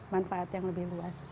manfaat yang lebih luas